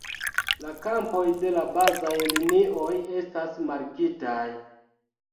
La kampoj de la bazaj linioj estas markitaj.